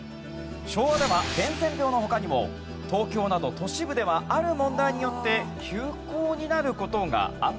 昭和では伝染病の他にも東京など都市部ではある問題によって休校になる事があったんです。